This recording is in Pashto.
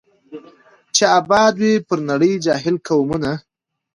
چي آباد وي پر نړۍ جاهل قومونه